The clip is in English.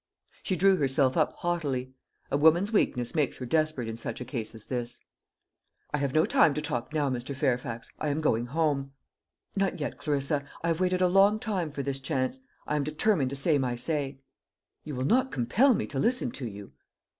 She drew herself up haughtily. A woman's weakness makes her desperate in such a case as this. "I have no time to talk now, Mr. Fairfax. I am going home." "Not yet, Clarissa. I have waited a long time for this chance. I am determined to say my say." "You will not compel me to listen to you?"